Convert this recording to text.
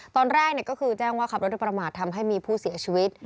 ตอนแรกก็คือแจ้งว่าขับรถโดยประมาททำให้มีผู้เสียชีวิต